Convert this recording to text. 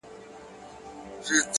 د هغه ږغ د هر چا زړه خپلوي”